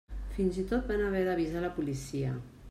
Fins i tot van haver d'avisar la policia.